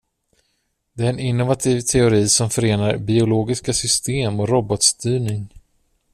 Det är en innovativ teori som förenar biologiska system och robotstyrning.